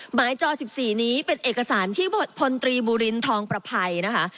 จอ๑๔นี้เป็นเอกสารที่พลตรีบุรินทองประภัยนะคะ